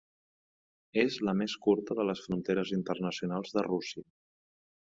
És la més curta de les fronteres internacionals de Rússia.